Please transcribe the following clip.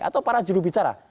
atau para jurubicara